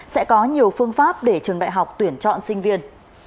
sẽ có nhiều phương pháp để trường đại học tuyển chọn sinh viên